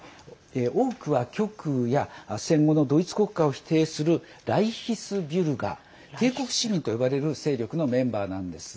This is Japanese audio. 多くは極右や戦後のドイツ国家を否定するライヒスビュルガー帝国市民と呼ばれる勢力のメンバーなんです。